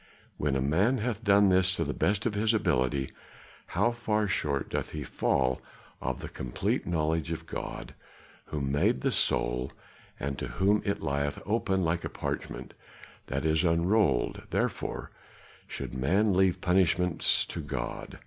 When a man hath done this to the best of his ability how far short doth he fall of the complete knowledge of God, who made the soul and to whom it lieth open like a parchment that is unrolled; therefore should man leave punishments to God.